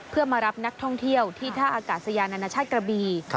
เพื่อมารับนักท่องเที่ยวที่ท่าอากาศยานานาชาติกระบี